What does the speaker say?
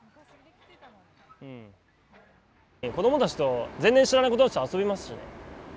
子どもたちと全然知らない子たちと遊びますしね。